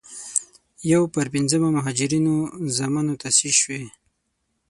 یو پر پينځمه مهاجرینو زامنو تاسیس شوې.